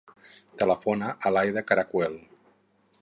Telefona a l'Aïda Caracuel.